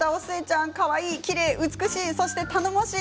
お寿恵ちゃん、かわいい美しい、そして頼もしい。